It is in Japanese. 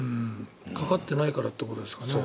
かかってないからということですかね。